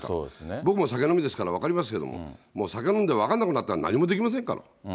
僕も酒飲みですから分かりますけど、もう、酒飲んで分かんなくなったら何もできませんから。